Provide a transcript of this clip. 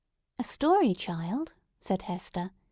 "A story, child!" said Hester.